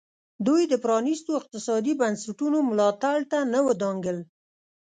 دوی د پرانیستو اقتصادي بنسټونو ملاتړ ته نه ودانګل.